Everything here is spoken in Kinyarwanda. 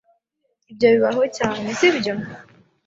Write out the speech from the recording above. Ibyo bibaho cyane, sibyo?